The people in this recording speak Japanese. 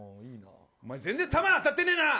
全然球当たってねえな。